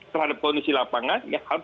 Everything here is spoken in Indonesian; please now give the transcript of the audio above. terhadap kondisi lapangan yang harus